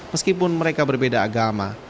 meskipun mereka berbeda agama